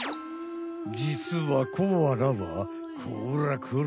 じつはコアラはこらこら